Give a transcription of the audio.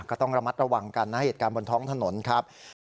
ก็ต้องระมัดระวังกันนะเหตุการณ์บนท้องถนนครับ